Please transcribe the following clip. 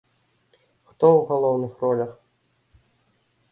Хто ў галоўных ролях?